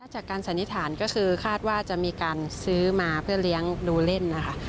สันนิษฐานก็คือคาดว่าจะมีการซื้อมาเพื่อเลี้ยงดูเล่นนะคะ